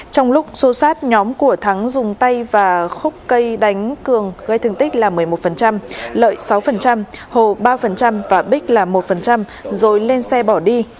trong lúc xô sát nhóm của thắng dùng tay và khúc cây đánh cường gây thương tích là một mươi một lợi sáu hồ ba và bích là một rồi lên xe bỏ đi